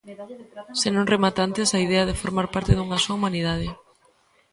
Se non remata antes a idea de formar parte dunha soa humanidade.